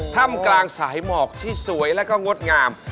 ถ้ำกลางสายหมอกที่สวยแล้วก็งดงาม